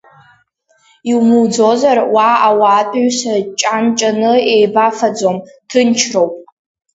Иумуӡозар уа ауаатәыҩса ҷан-ҷаны еибафаӡом, ҭынчроуп.